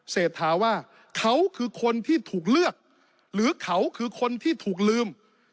เศรษฐาว่าเขาคือคนที่ถูกเลือกหรือเขาคือคนที่ถูกลืม